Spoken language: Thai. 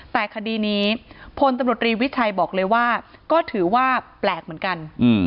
แต่คดีนี้พลตำรวจรีวิชัยบอกเลยว่าก็ถือว่าแปลกเหมือนกัน